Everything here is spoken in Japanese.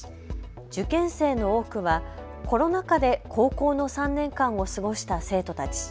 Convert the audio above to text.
受験生の多くはコロナ禍で高校３年間を過ごした生徒たち。